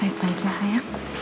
baik baik lah sayang